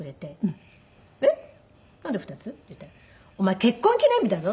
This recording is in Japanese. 「えっなんで２つ？」って言ったら「お前結婚記念日だぞ」